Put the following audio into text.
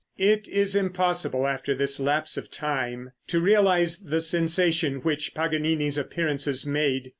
])] It is impossible after this lapse of time to realize the sensation which Paganini's appearances made.